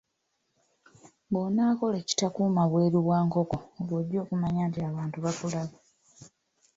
Bw'onaakola ekitakuuma bweru bwa nkoko, lw'ojja okumanya nti abantu bakulaba.